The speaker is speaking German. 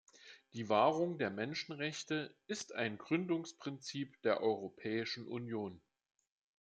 Die Wahrung der Menschenrechte ist ein Gründungsprinzip der Europäischen Union.